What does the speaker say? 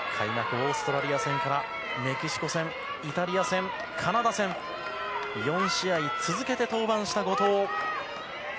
オーストラリア戦からメキシコ戦イタリア戦、カナダ戦４試合続けて登板した後藤。